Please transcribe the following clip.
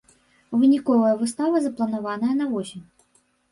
Выніковая выстава запланаваная на восень.